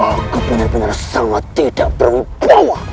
aku benar benar sangat tidak berubah